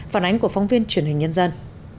phản ánh của phóng viên truyền hình nhân dân